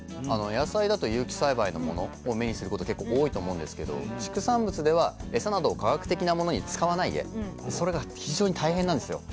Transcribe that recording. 野菜だと有機栽培のものを目にすること結構多いと思うんですけど畜産物ではエサなどに化学的なものを使わないそれが非常に大変なんですよ。